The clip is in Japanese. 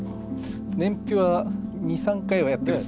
年表は２３回はやってるっす。